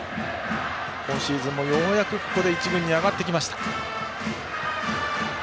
今シーズンもようやくここで１軍に上がってきました。